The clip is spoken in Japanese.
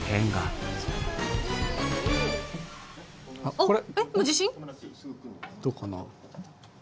えっ！これ。